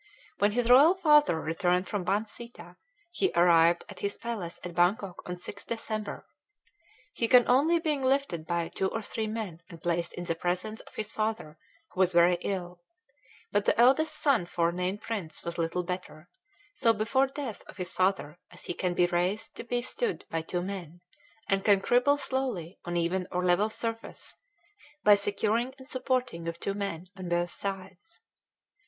When his royal father returned from Ban Sitha he arrived at his palace at Bangkok on 6th December. He can only being lifted by two or three men and placed in the presence of his father who was very ill, but the eldest son forenamed prince was little better, so before death of his father as he can be raised to be stood by two men and can cribble slowly on even or level surface, by securing and supporting of two men on both sides.